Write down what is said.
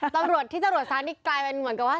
ตำรวจที่ตำรวจซ้านี่กลายเป็นเหมือนกับว่า